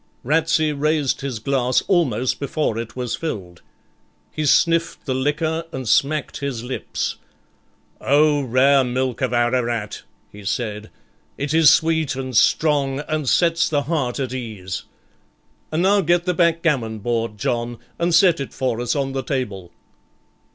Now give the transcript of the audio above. Ratsey raised his glass almost before it was filled. He sniffed the liquor and smacked his lips. 'O rare milk of Ararat!' he said, 'it is sweet and strong, and sets the heart at ease. And now get the backgammon board, John, and set it for us on the table.'